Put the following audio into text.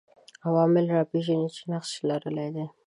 عوامل راپېژني چې نقش لرلای دی